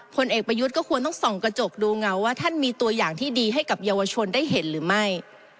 ผลเอกประยุทธ์ก็ควรต้องส่องกระจกดูเงาว่าท่านมีตัวอย่างที่ดีให้กับเยาวชนได้เห็นหรือไม่